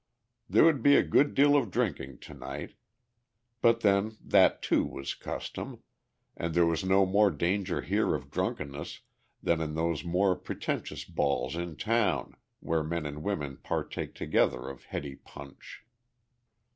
There would be a good deal of drinking tonight, but then that too was custom, and there was no more danger here of drunkenness than in those more pretentious balls in town where men and women partake together of heady punch.